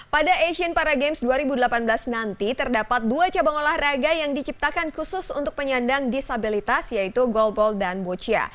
pada asian paragames dua ribu delapan belas nanti terdapat dua cabang olahraga yang diciptakan khusus untuk penyandang disabilitas yaitu goalball dan boccia